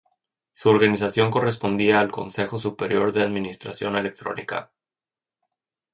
Su organización correspondía al Consejo Superior de Administración Electrónica.